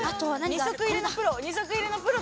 ２足入れのプロ。